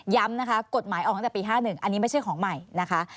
นะคะกฎหมายออกตั้งแต่ปี๕๑อันนี้ไม่ใช่ของใหม่นะคะ